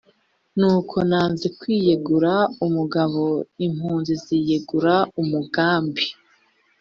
nuko nanze kwiyegura umugabo impunzi ziyegura umugambi